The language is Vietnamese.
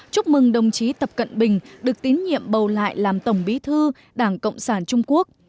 chúc mừng đồng chí tập cận bình được tín nhiệm bầu lại làm tổng bí thư đảng cộng sản trung quốc